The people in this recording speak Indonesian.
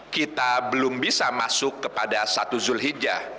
kita belum bisa masuk kepada satu zulhijjah